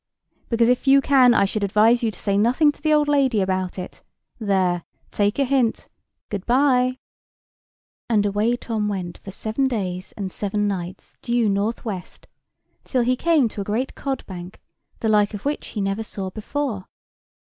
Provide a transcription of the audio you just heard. "Because, if you can, I should advise you to say nothing to the old lady about it. There; take a hint. Good bye." And away Tom went for seven days and seven nights due north west, till he came to a great codbank, the like of which he never saw before.